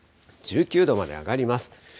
１９度まで上がります。